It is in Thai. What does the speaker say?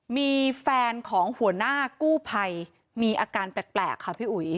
มีแฟนของหัวหน้ากู้ภัยมีอาการแปลกค่ะพี่อุ๋ย